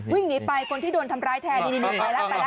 วิ่งหนีไปคนที่โดนทำร้ายแทนไปแล้ว